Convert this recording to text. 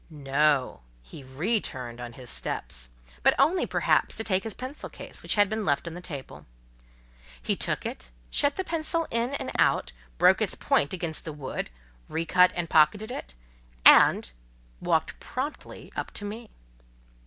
No: he re turned on his steps; but only, perhaps, to take his pencil case, which had been left on the table. He took it—shut the pencil in and out, broke its point against the wood, re cut and pocketed it, and ... walked promptly up to me.